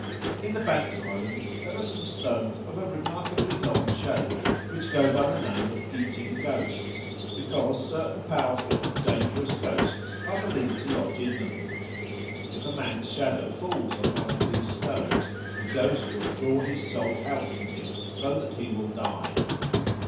In the Banks Islands there are some stones of a remarkably long shape which go by the name of "eating ghosts," because certain powerful and dangerous ghosts are believed to lodge in them. If a man's shadow falls on one of these stones, the ghost will draw his soul out from him, so that he will die.